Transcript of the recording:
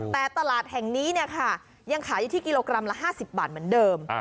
แต่ตลาดแห่งนี้ยังขายอยู่ที่กิโลกรัมละ๕๐บาทเหมือนเดิม